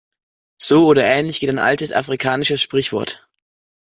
So oder so ähnlich geht ein altes afrikanisches Sprichwort.